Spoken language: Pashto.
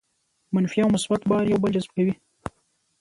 منفي او مثبت بار یو بل جذب کوي.